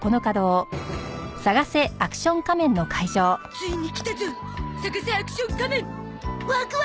ついに来たゾ！